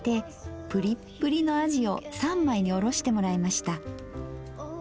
プリップリのあじを三枚におろしてもらいました。